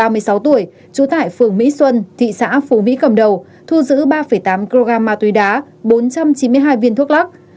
ba mươi sáu tuổi trú tại phường mỹ xuân thị xã phú mỹ cầm đầu thu giữ ba tám kg ma túy đá bốn trăm chín mươi hai viên thuốc lắc